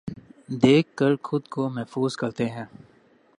دیکھ کر خود کو محظوظ کرتے ہیں